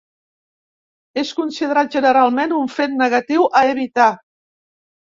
És considerat generalment un fet negatiu a evitar.